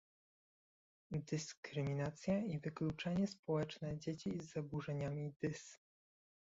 "Dys"kryminacja i wykluczenie społeczne dzieci z zaburzeniami "dys"